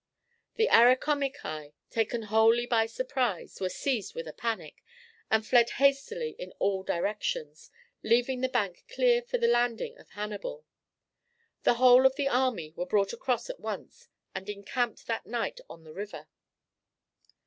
The Arecomici, taken wholly by surprise, were seized with a panic, and fled hastily in all directions, leaving the bank clear for the landing of Hannibal. The whole of the army were brought across at once and encamped that night on the river.